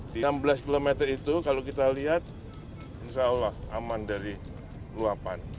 di enam belas km itu kalau kita lihat insya allah aman dari luapan